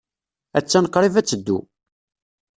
Attan qrib ad teddu.